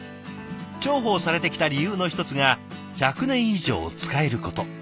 重宝されてきた理由の一つが１００年以上使えること。